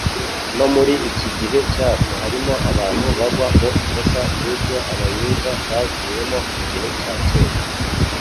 No muri iki gihe cyacu harimo abantu bagwa mu ikosa nk'iryo abayuda baguyemo mu gihe cya kera.